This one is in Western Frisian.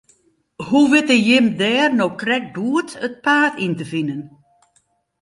Hoe witte jim dêr no krekt goed it paad yn te finen?